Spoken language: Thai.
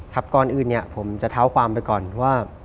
ครับก่อนอื่นผมจะเท้าความไปก่อนว่า